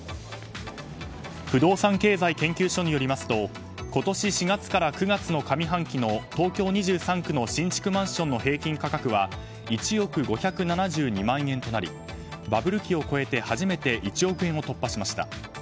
不動産経済研究所によりますと今年４月から９月の上半期の東京２３区の新築マンションの平均価格は１億５７２万円となりバブル期を超えて初めて１億円を突破しました。